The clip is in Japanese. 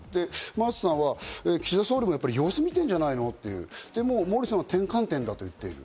真麻さんは岸田総理も様子見てんじゃないの？っていうモーリーさんは転換点だと言ってる。